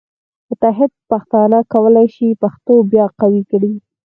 متحد پښتانه کولی شي پښتو بیا قوي کړي.